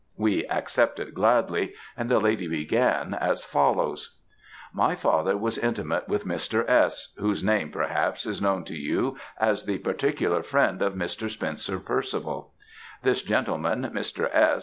We accepted gladly, and the lady began as follows: "My father was intimate with Mr. S. whose name, perhaps, is known to you as the particular friend of Mr. Spencer Percival. This gentleman, Mr. S.